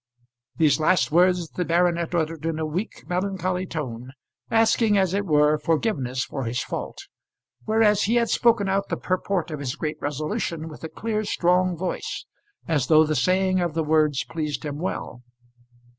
These last words the baronet uttered in a weak, melancholy tone, asking, as it were, forgiveness for his fault; whereas he had spoken out the purport of his great resolution with a clear, strong voice, as though the saying of the words pleased him well.